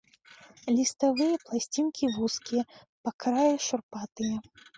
Ліставыя пласцінкі вузкія, па краі шурпатыя.